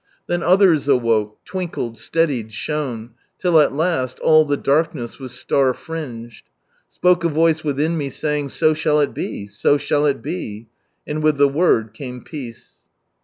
Then others awoke, twinkled, steadied, shone; till at last, all the darkness was star fringed. Spoke a voice within me saying, "So shall it be I So shall it be!" and with the word came peace.